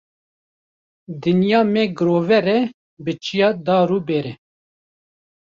Dinya me girover e bi çiya, dar û ber e.